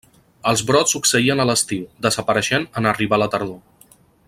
Els brots succeïen a l'estiu, desapareixent en arribar la tardor.